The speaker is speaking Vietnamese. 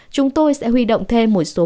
chúng tôi sẽ huy động thêm một số bệnh viện